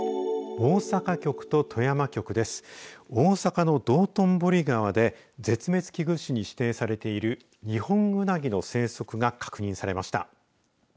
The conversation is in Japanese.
大阪の道頓堀川で絶滅危惧種に指定されている二ホンウナギの生息が確認されました。